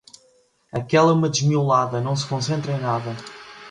Aquela é uma desmiolada, não se concentra em nada.